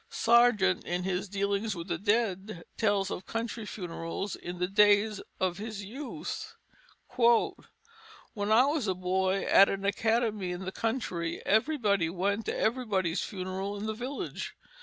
Sargent, in his Dealings with the Dead, tells of country funerals in the days of his youth: "When I was a boy and at an academy in the country everybody went to everybody's funeral in the village.